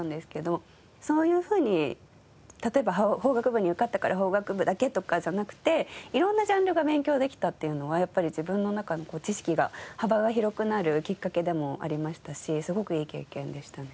そういうふうに例えば法学部に受かったから法学部だけとかじゃなくていろんなジャンルが勉強できたっていうのはやっぱり自分の中の知識が幅が広くなるきっかけでもありましたしすごくいい経験でしたね。